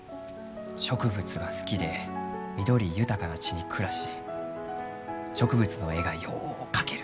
植物が好きで緑豊かな地に暮らし植物の絵がよう描ける。